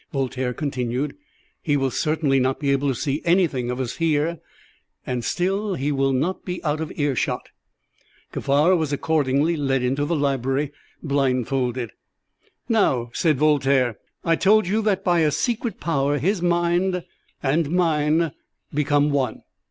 Voltaire continued. "He will certainly not be able to see anything of us here, and still he will not be out of earshot." Kaffar was accordingly led into the library, blindfolded. "Now," said Voltaire, "I told you that by a secret power his mind and mine became one.